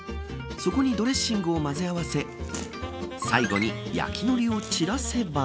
そこにドレッシングを混ぜ合わせ最後に焼きのりを散らせば。